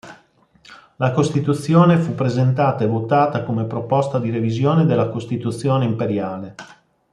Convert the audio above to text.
La costituzione fu presentata e votata come Proposta di Revisione della Costituzione Imperiale.